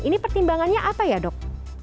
ini pertimbangannya apa ya dok